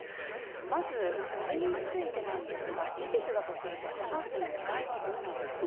まずこれについてなんですが、事実だとすると、ハマスのねらいはどうなんでしょうか。